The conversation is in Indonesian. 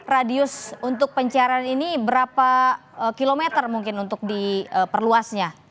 radius untuk pencarian ini berapa kilometer mungkin untuk diperluasnya